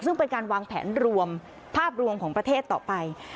ซึ่งเป็นการวางแผนรวมภาพรวมของประเทศต่อไป